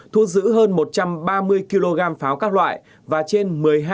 thu giữ hơn một trăm ba mươi kg pháo các loại và trên một mươi hai kg thuốc pháo